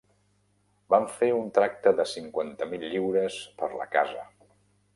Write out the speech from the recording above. Vam fer un tracte de cinquanta mil lliures per la casa.